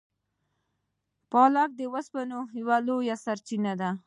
پالک د اوسپنې یوه لویه سرچینه ده.